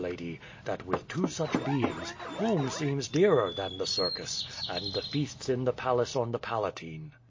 Lady, that with two such beings, home seems dearer than the circus, and the feasts in the palace on the Palatine.''